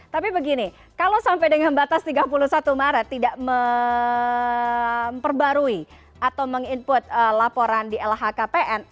tapi begini kalau sampai dengan batas tiga puluh satu maret tidak memperbarui atau meng input laporan di lhkpn